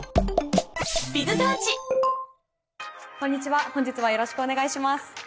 こんにちは本日はよろしくお願いします。